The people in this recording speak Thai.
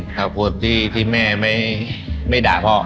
ขอโทษที่แม่ไม่ด่าพ่อ